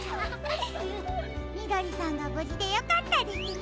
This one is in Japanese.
みどりさんがぶじでよかったですね。